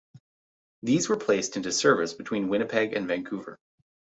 These were placed into service between Winnipeg and Vancouver.